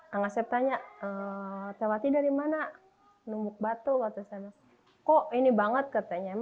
kang asep tanya tewati dari mana numuk batu waktu saya kok ini banget katanya